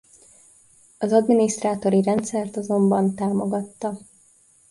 Az adminisztrátori rendszert azonban támogatta.